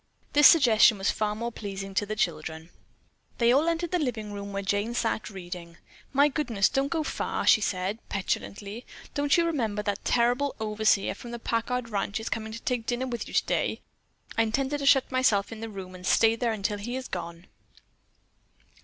This suggestion was far more pleasing to the children. They all entered the living room where Jane sat reading. "My goodness, don't go far," she said petulantly. "Don't you remember that the terrible overseer from the Packard ranch is coming to take dinner with you today? I intend to shut myself in my room and stay there until he is gone."